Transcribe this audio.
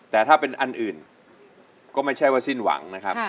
แต่ถ้าเป็นอันอื่นก็ไม่ใช่ว่าสิ้นหวังนะครับ